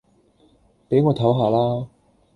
俾我唞吓啦